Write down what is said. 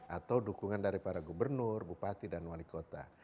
atau dukungan dari para gubernur bupati dan wali kota